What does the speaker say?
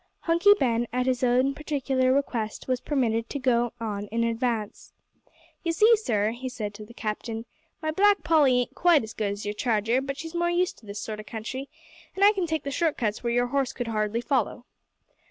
Hunky Ben, at his own particular request was permitted to go on in advance. "You see, sir," he said to the captain, "my Black Polly an't quite as good as your charger, but she's more used to this sort o' country, an' I can take the short cuts where your horse could hardly follow."